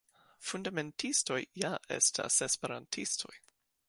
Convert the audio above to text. Fundamentistoj ja estas Esperantistoj.